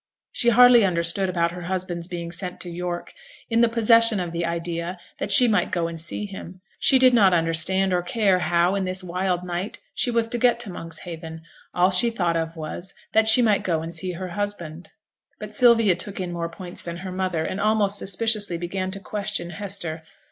She hardly understood about her husband's being sent to York, in the possession of the idea that she might go and see him. She did not understand or care how, in this wild night, she was to get to Monkshaven; all she thought of was, that she might go and see her husband. But Sylvia took in more points than her mother, and, almost suspiciously, began to question Hester.